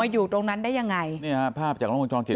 มาอยู่ตรงนั้นได้ยังไงนี่ฮะภาพจากล้องมือจองจิต